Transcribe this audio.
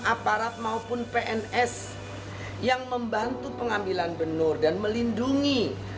aparat maupun pns yang membantu pengambilan benur dan melindungi